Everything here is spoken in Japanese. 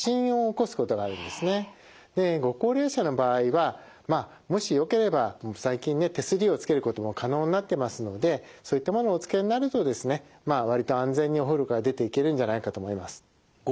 でご高齢者の場合はまあもしよければ最近ね手すりを付けることも可能になってますのでそういったものをお付けになるとですねまあ割と安全にお風呂から出ていけるんじゃないかと思います。